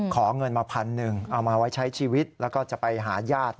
ขอเงินมาพันหนึ่งเอามาไว้ใช้ชีวิตแล้วก็จะไปหาญาติ